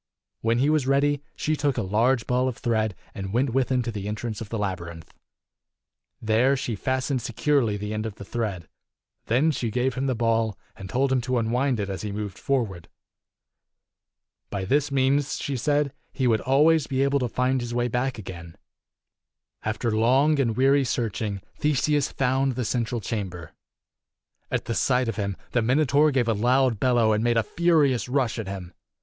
When he was ready, she took a large ball of thread and went with him to the entrance of the labyrinth. There she fastened securely the end of the thread. Then she gave him the ball, and told him to unwind it as he moved forward. By this means, she said, he would always be able to find his way . back again. After long and weary searching, Theseus found the central chamber. At sight of him, the Minotaur gave a loud bellow and made a furious rush at him.